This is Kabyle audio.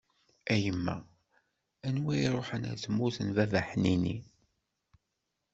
A yemma, anwa i ṛuḥen ar tmurt n baba ḥnini.